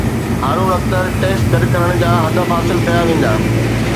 Haroon Akhtar tax گڏ ڪرڻ جا هدف حاصل ڪيا ويندا